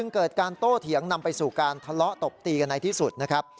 เกิดการโต้เถียงนำไปสู่การทะเลาะตบตีกันในที่สุดนะครับ